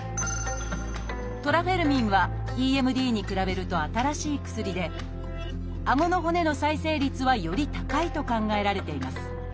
「トラフェルミン」はＥＭＤに比べると新しい薬であごの骨の再生率はより高いと考えられています。